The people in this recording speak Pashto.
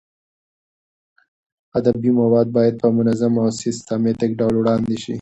ادبي مواد باید په منظم او سیستماتیک ډول وړاندې شي.